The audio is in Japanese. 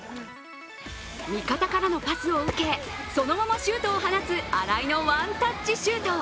味方からのパスを受けそのままシュートを放つ荒井のワンタッチシュート。